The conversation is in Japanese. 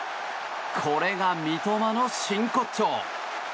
これが三笘の真骨頂。